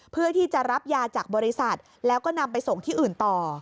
เพื่อที่จะรับยาจากบริษัทแล้วก็นำไปส่งที่อื่นต่อ